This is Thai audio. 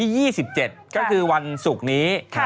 จิตคูณ๒เออ